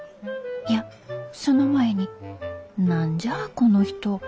いやその前に何じゃあこの人。